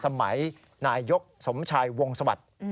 สมัยนายยกสมชายวงศวรรษ